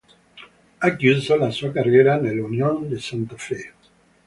Ha chiuso la sua carriera nell'Unión de Santa Fe.